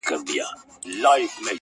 سر مي لوڅ دی پښې مي لوڅي په تن خوار یم.!